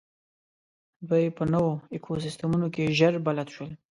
دوی په نوو ایکوسېسټمونو کې ژر بلد شول.